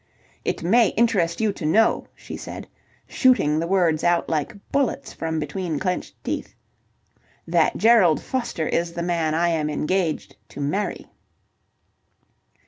"It may interest you to know," she said, shooting the words out like bullets from between clenched teeth, "that Gerald Foster is the man I am engaged to marry."